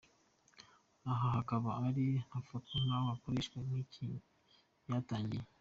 Aha hakaba ari ho hafatwa nk’aho ikoreshwa ry’ikinya ryatangiye.